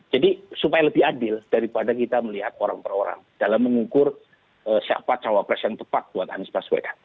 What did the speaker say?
jadi supaya lebih adil daripada kita melihat orang orang dalam mengukur siapa cawapres yang tepat buat anies paswedan